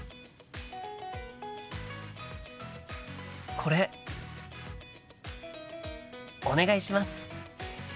これお願いします。